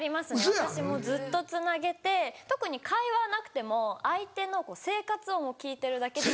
私もずっとつなげて特に会話なくても相手の生活音を聞いてるだけでも。